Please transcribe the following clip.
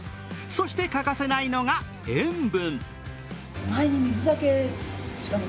そして欠かせないのが塩分。